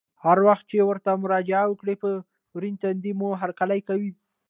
هر وخت چې ورته مراجعه وکړه په ورین تندي مو هرکلی کوي.